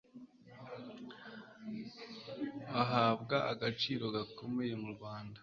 bahabwa agaciro gakomeye murwanda